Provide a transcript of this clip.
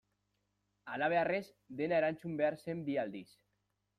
Halabeharrez dena erantzun behar zen bi aldiz.